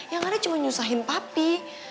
ya gak ada cuma nyusahin papi